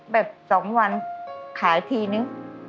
แบบ๒วันขายทีนึง